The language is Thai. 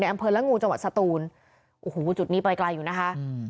อำเภอละงูจังหวัดสตูนโอ้โหจุดนี้ไปไกลอยู่นะคะอืม